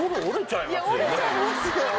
いや折れちゃいます。